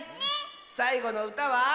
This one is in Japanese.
さいごのうたは。